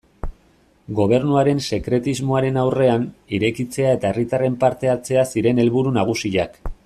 Gobernuaren sekretismoaren aurrean, irekitzea eta herritarren parte-hartzea ziren helburu nagusiak.